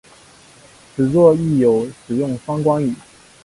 此作亦有使用双关语。